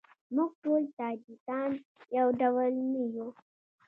موږ ټول تاجیکان یو ډول نه یوو.